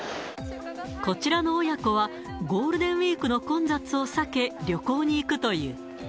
こちらの親子は、ゴールデンウィークの混雑を避け、旅行に行くという。